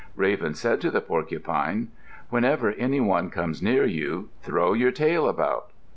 Raven said to the porcupine, "Whenever any one comes near you, throw your tail about."